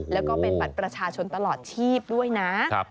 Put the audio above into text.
แล้วก็เป็นบัตรประชาชนตลอดชีพด้วยนะ